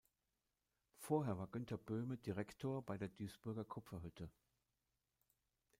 Vorher war Günter Böhme Direktor bei der Duisburger Kupferhütte.